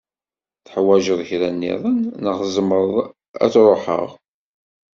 Teḥwaǧeḍ kra niḍen neɣ zemreɣ ad ruḥeɣ?